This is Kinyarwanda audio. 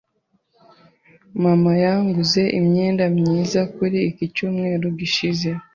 Mama yanguze imyenda myiza kuri iki cyumweru gishize.